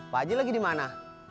pak ji lagi dimana